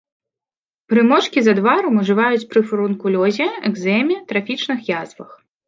Прымочкі з адварам ужываюць пры фурункулёзе, экзэме, трафічных язвах.